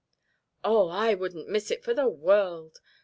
"Oh, I wouldn't miss it for the world.